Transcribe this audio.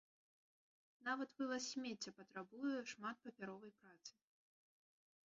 Нават вываз смецця патрабуе шмат папяровай працы.